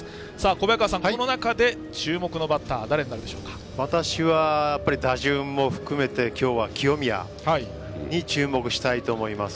小早川さん、この中で注目のバッターは私は打順も含めて今日は清宮に注目したいと思います。